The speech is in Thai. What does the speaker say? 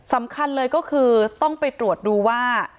สำคัญเลยก็คือต้องไปตรวจดูว่า